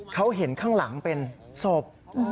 เขาเห็นข้างหลังเป็นศพ